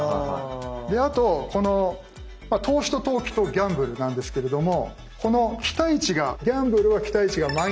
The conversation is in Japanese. であとこの投資と投機とギャンブルなんですけれどもこの期待値がギャンブルは期待値がマイナス。